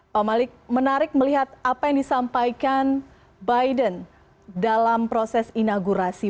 pak malik menarik melihat apa yang disampaikan biden dalam proses inaugurasi